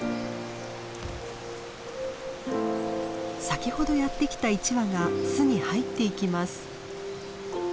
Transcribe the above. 先ほどやって来た１羽が巣に入っていきます。